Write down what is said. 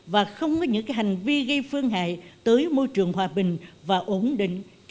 và không có những hành vi gây phương hại tới mọi người